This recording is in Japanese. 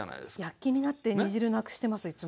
躍起になって煮汁なくしてますいつも。